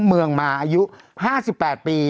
เมืองมาอายุ๕๘ปี